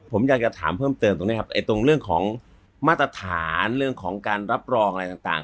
ผมอยากจะถามเพิ่มเติมตรงนี้ครับตรงเรื่องของมาตรฐานเรื่องของการรับรองอะไรต่าง